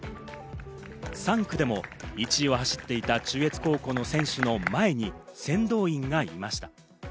３区でも１位を走っていた中越高校の選手の前に先導員がいました。